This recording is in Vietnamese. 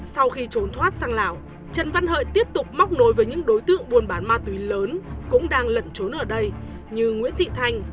sau khi trốn thoát sang lào trần văn hợi tiếp tục móc nối với những đối tượng buôn bán ma túy lớn cũng đang lẩn trốn ở đây như nguyễn thị thanh